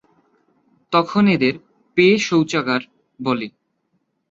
তখন এদের 'পে শৌচাগার' বলে।